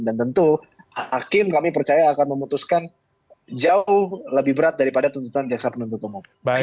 dan tentu hakim kami percaya akan memutuskan jauh lebih berat daripada tuntutan jaksa penentu tomo